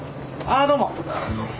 あどうも。